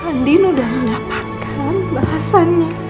kandi sudah mendapatkan balasannya